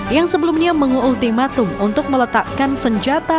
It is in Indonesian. yang sebelumnya mengultimatum untuk meletakkan senjata